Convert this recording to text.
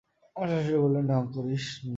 আমার শাশুড়ি বললেন, ঢং করিস না।